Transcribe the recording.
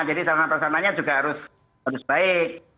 jadi sarana prasarana nya juga harus baik